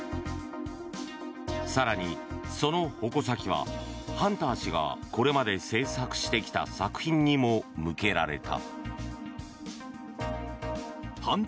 更に、その矛先はハンター氏がこれまで制作してきた作品にも向けられた。